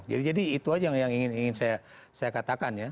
jadi itu aja yang ingin saya katakan ya